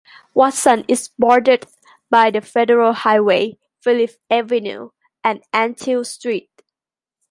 Watson is bordered by the Federal Highway, Phillip Avenue and Antill Street.